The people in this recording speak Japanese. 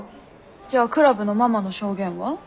じゃあクラブのママの証言は？